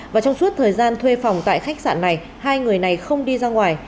và trong suốt thời gian thuê phòng tại khách sạn này hai người này không đi ra ngoài